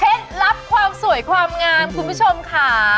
ลับความสวยความงามคุณผู้ชมค่ะ